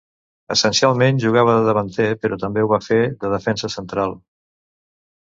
Essencialment jugava de davanter, però també ho va fer de defensa central.